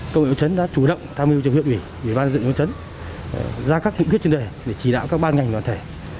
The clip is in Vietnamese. công nghệ ứng chấn đã chủ động tham mưu trong huyện ủy ủy ban dựng ứng chấn ra các kỹ quyết trên đời để chỉ đạo các ban ngành đoàn thể